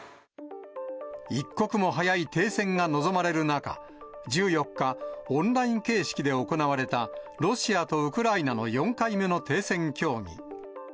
一刻も早い停戦が望まれる中、１４日、オンライン形式で行われたロシアとウクライナの４回目の停戦協議。